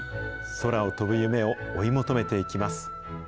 空を飛ぶ夢を追い求めていきます。